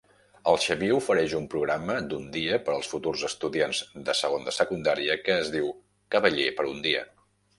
El Xavier ofereix un programa d'un dia per als futurs estudiants de segon de secundària que es diu "Cavaller per un dia".